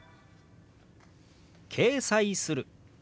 「掲載する」。